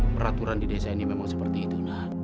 peraturan di desa ini memang seperti itu